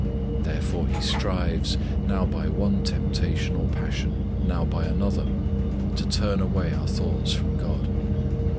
Therefore he strives, now by one temptation or passion, now by another, to turn away our thoughts from God.